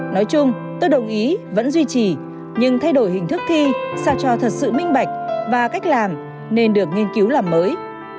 nói chung tôi đồng ý vẫn duy trì nhưng thay đổi hình thức thi sao cho thật sự minh bạch và cách làm nên được nghiên cứu làm mới